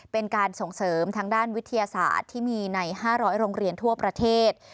เป็นการส่งเสริมทางด้านวิทยาศาสตร์ที่มีใน๕๐๐โรงเรียนทั่วประเทศ